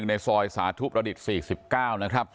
ในซอยสาธุประดิษฐ์๔๙นะครับ